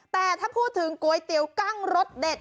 แต่ถ้าพูดถึงก๋วยเตี๋ยวกั้งรสเด็ด